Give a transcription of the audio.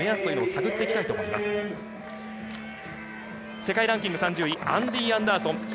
世界ランキング３０位、アンディー・アンダーソン。